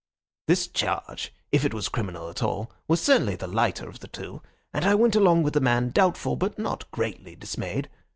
This charge, if it was criminal at all, was certainly the lighter of the two, and I went along with the man, doubtful, but not greatly dismayed.